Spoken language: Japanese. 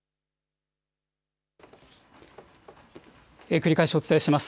繰り返しお伝えします。